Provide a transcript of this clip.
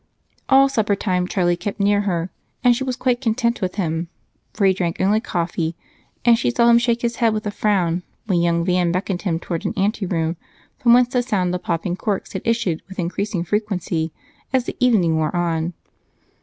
At suppertime Charlie kept near her, and she was quite content with him, for he drank only coffee, and she saw him shake his head with a frown when young Van beckoned him toward an anteroom, from whence the sound of popping corks had issued with increasing frequency as the evening wore on.